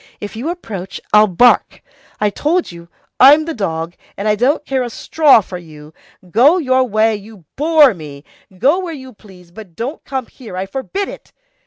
If you approach, I'll bark. I told you, I'm the dog, and I don't care a straw for you. Go your way, you bore me! Go where you please, but don't come here, I forbid it!